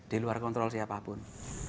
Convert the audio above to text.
di luar kontrol siapapun